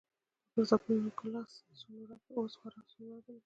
دا پروسه په نوګالس سونورا کې اوس خورا ستونزمنه بلل کېږي.